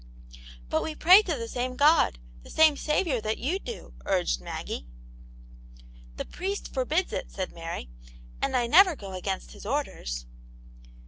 " But we pray to the same God, the same Saviour that you do," urged Maggie. "The priest forbids it," said Mary. "And I never go against his orders."